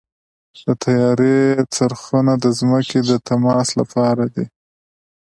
د طیارې څرخونه د ځمکې د تماس لپاره دي.